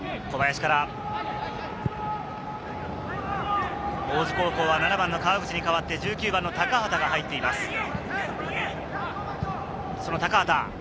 小林から大津高校は７番の川口に代わって１９番の高畑が入っています。